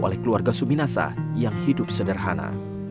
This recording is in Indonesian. oleh keluarga suminasa yang hidup sederhana